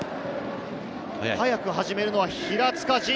早く始めるのは平塚仁。